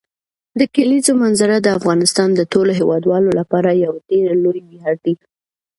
د کلیزو منظره د افغانستان د ټولو هیوادوالو لپاره یو ډېر لوی ویاړ دی.